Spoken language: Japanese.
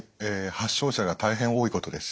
発症者が大変多いことです。